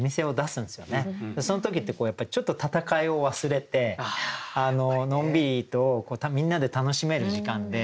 その時ってこうやっぱりちょっと戦いを忘れてのんびりとみんなで楽しめる時間で。